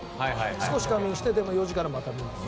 少し仮眠して、４時からまた見るって。